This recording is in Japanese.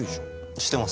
してます。